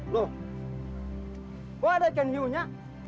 loh kok ada ikan iunya